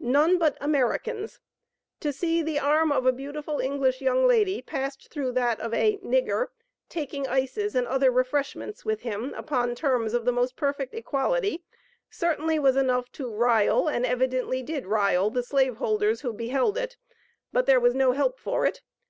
None but Americans. To see the arm of a beautiful English young lady passed through that of 'a nigger,' taking ices and other refreshments with him, upon terms of the most perfect equality, certainly was enough to 'rile,' and evidently did 'rile' the slave holders who beheld it; but there was no help for it.